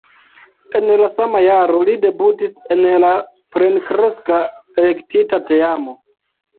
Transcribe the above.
En la sama jaro li debutis en la plenkreska elektita teamo.